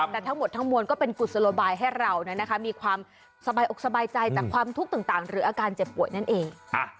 แต่ทั้งหมดทั้งมวลก็เป็นกุศโลบายให้เรามีความสบายอกสบายใจจากความทุกข์ต่างหรืออาการเจ็บป่วยนั่นเอง